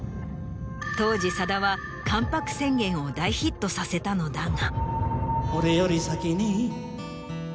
当時さだは『関白宣言』を大ヒットさせたのだが。